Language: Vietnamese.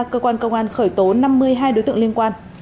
cơ quan công an khởi tố năm mươi hai đối tượng liên quan